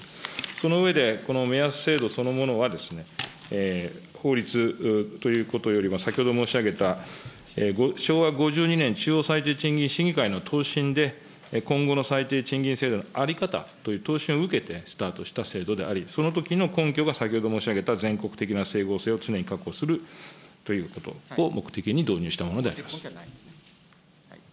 その上で、この目安制度そのものは、法律ということよりは、先ほど申し上げた、昭和５２年中央最低答申で、今後の最低賃金制度の在り方という答申を受けてスタートした制度であり、そのときの根拠が先ほど申し上げた全国的な整合性を常に確保するということを目的に導入したものであります。